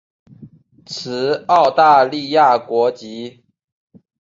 持澳大利亚国籍。